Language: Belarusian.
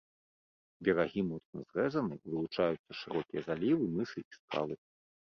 Берагі моцна зрэзаны, вылучаюцца шырокія залівы, мысы і скалы.